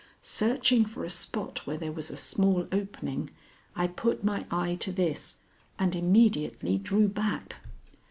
Searching for a spot where there was a small opening, I put my eye to this and immediately drew back.